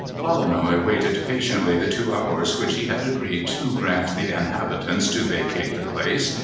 Lolonois waited patiently the two hours which he had agreed to grant the inhabitants to vacate the place.